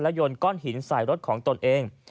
ยนก้อนหินใส่รถของตนเอง